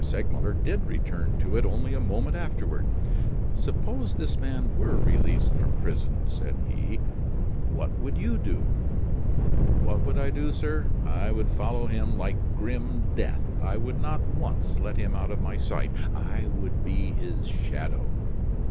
Segmuller did return to it only a moment afterward. "Suppose this man were released from prison," said he, "what would you do?" "What would I do, sir! I would follow him like grim death; I would not once let him out of my sight; I would be his shadow."